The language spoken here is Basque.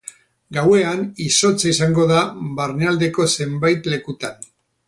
Gauean izotza izango da barnealdeko zenbait lekutan.